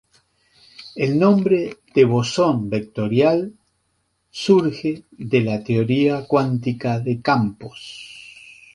El nombre de "bosón vectorial" surge en la teoría cuántica de campos.